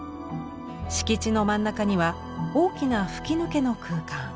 敷地の真ん中には大きな吹き抜けの空間。